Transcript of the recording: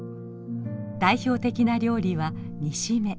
代表的な料理は煮しめ。